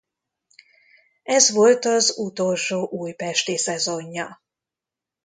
Ez volt utolsó újpesti szezonja.